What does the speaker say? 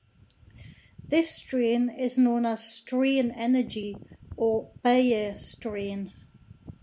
This strain is known as strain energy, or Baeyer strain.